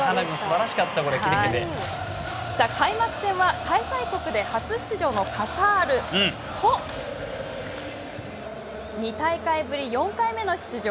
開幕戦は開催国で初出場のカタールと２大会ぶり４回目の出場